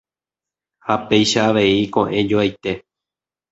Ha péicha avei iko'ẽjoaite.